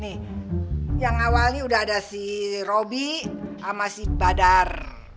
nih yang awalnya udah ada si robi sama si badar